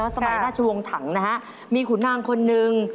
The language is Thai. สมัยหน้าชวงถังนะครับมีขุนนางคนนึง